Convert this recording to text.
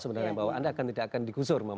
sebenarnya yang bawah anda tidak akan digusur